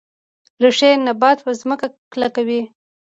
ریښې نبات په ځمکه کلکوي